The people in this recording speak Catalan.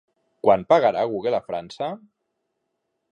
Quant pagarà Google a França?